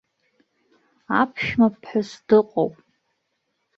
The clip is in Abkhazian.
Аԥшәмаԥҳәыс дыҟоуп.